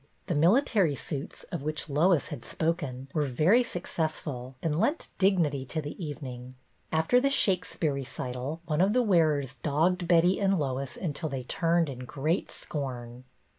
The military suits, of which Lois had spoken, were very successful and lent dig nity to the evening. After the Shakespeare THE MASQUERADE 245 recital one of the wearers dogged Betty and Lois until they turned in great scorn.